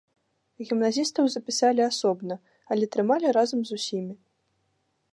Гімназістаў запісалі асобна, але трымалі разам з усімі.